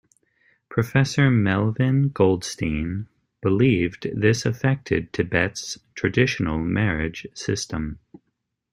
Professor Melvyn Goldstein believed this affected Tibet's traditional marriage system.